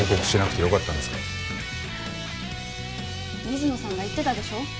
水野さんが言ってたでしょ。